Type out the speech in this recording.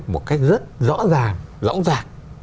một cách rất rõ ràng rõ ràng